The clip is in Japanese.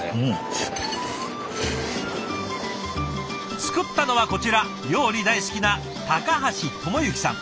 作ったのはこちら料理大好きな橋智幸さん。